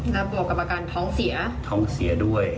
แล้วบวกกับอาการท้องเสียท้องเสียด้วย